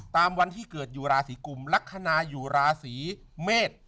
ตามวันที่เกิดอยู่ราศีกุมลักษณะอยู่ราศีเมษ